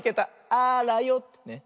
あらよってね。